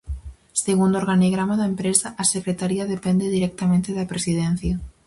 Segundo o organigrama da empresa, a Secretaría depende directamente da Presidencia.